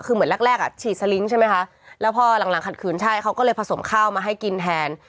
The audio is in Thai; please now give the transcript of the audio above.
คือเหมือนแรกแรกอ่ะฉีดสลิงค์ใช่ไหมคะแล้วพอหลังขัดขืนใช่เขาก็เลยผสมข้าวมาให้กินแทน